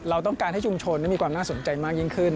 เราต้องการให้ชุมชนมีความน่าสนใจมากยิ่งขึ้น